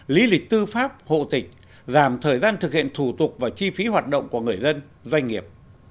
lý lịch tư pháp hộ tịch giảm thời gian thực hiện thủ tục và chi phí hoạt động của người dân doanh nghiệp